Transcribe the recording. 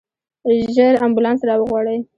ژر امبولانس راوغواړئ.